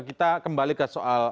kita kembali ke soal